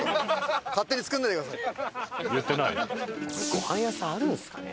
ごはん屋さんあるんですかね？